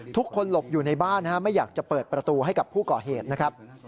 ทุกคนหลบอยู่ในบ้านไม่อยากจะเปิดประตูให้กับผู้ก่อเหตุนะครับ